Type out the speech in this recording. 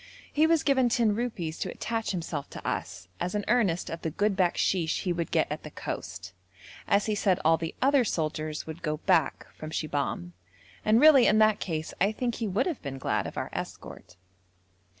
He was given ten rupees to attach himself to us, as an earnest of the good bakshish he would get at the coast, as he said all the other soldiers would go back from Shibahm, and really in that case I think he would have been glad of our escort.